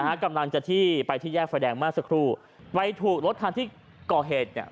กำลังจะที่ไปที่แยกไฟแดงเมื่อสักครู่ไปถูกรถคันที่ก่อเหตุเนี่ย